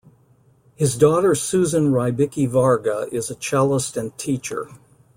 His daughter Susan Rybicki-Varga is a cellist and teacher.